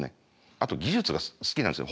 あと技術が好きなんですよ。